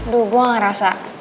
duh gue ngerasa